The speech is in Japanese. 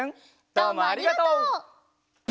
どうもありがとう！